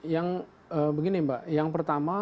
yang begini mbak yang pertama